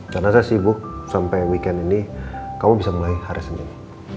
karena saya sibuk sampai weekend ini kamu bisa mulai hari senin